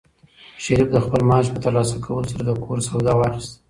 شریف د خپل معاش په ترلاسه کولو سره د کور سودا واخیسته.